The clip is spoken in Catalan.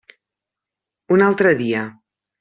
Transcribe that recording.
Un altre dia.